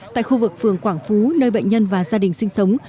tại khu vực phường quảng phú nơi bệnh nhân và gia đình sinh sống